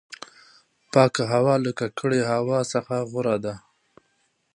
پاکه هوا له ککړې هوا څخه غوره ده.